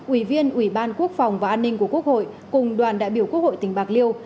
ủy viên ủy ban quốc phòng và an ninh của quốc hội cùng đoàn đại biểu quốc hội tỉnh bạc liêu